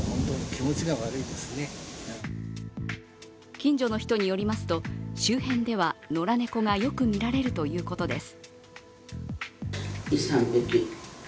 近所の人によりますと、周辺では、野良猫がよく見られるということです。